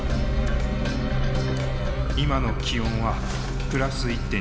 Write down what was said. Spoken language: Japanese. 今の気温はプラス１．２℃。